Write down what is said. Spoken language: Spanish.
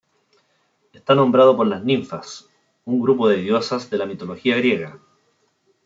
Está nombrado por las ninfas, un grupo de diosas de la mitología griega.